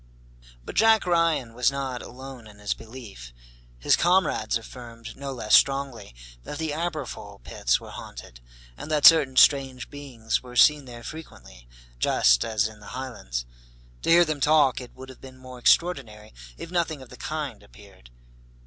But Jack Ryan was not alone in his belief. His comrades affirmed, no less strongly, that the Aberfoyle pits were haunted, and that certain strange beings were seen there frequently, just as in the Highlands. To hear them talk, it would have been more extraordinary if nothing of the kind appeared.